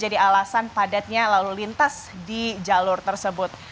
dan padatnya lalu lintas di jalur tersebut